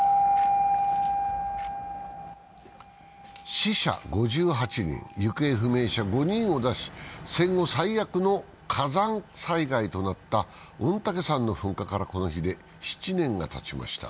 死者５８人、行方不明者５人を出し戦後最悪の火山災害となった御嶽山の噴火からこの日で７年がたちました。